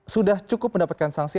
sudah cukup mendapatkan sanksi